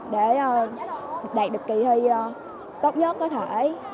để đạt được kỳ thi tốt nhất có thể